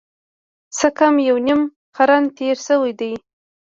څه کم یو نیم قرن تېر شوی دی.